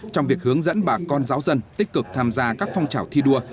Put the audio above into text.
trong việc hướng dẫn bà con giáo dân tích cực tham gia các phong trào thi đua